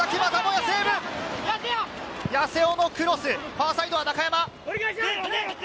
八瀬尾のクロス、ファーサイドは中山。